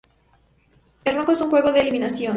El ronco es un juego de eliminación.